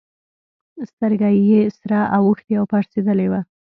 سترگه يې سره اوښتې او پړسېدلې وه.